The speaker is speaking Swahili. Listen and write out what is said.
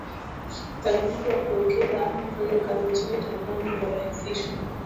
Utaratibu wa kuwekeza ama kufanya kazi nchini Tanzania unarahisishwa